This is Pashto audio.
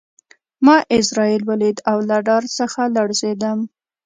ما عزرائیل ولید او له ډار څخه لړزېدم